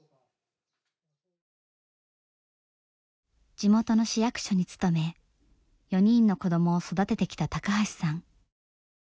地元の市役所に勤め４人の子供を育ててきた高橋さん。